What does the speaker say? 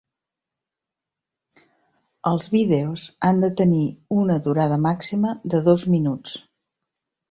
Els vídeos han de tenir una durada màxima de dos minuts.